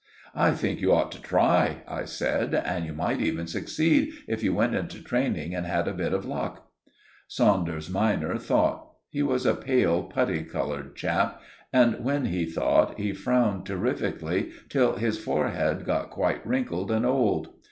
"I think you ought to try," I said; "and you might even succeed if you went into training, and had a bit of luck." Saunders minor thought. He was a pale, putty coloured chap, and when he thought, he frowned terrifically till his forehead got quite wrinkled and old.